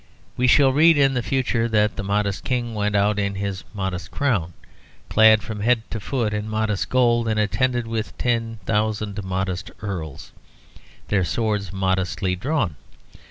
We shall read in the future that the modest King went out in his modest crown, clad from head to foot in modest gold and attended with his ten thousand modest earls, their swords modestly drawn.